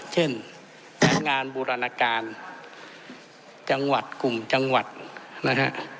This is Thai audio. เช่นแผนงานบูรณการจังหวัดกลุ่มจังหวัดนะฮะ